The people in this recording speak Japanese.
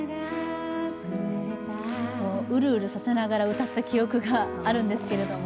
うるうるさせながら歌った記憶があるんですけど。